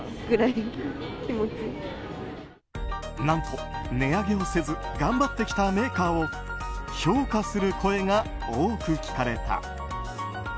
なんと、値上げをせず頑張ってきたメーカーを評価する声が多く聞かれた。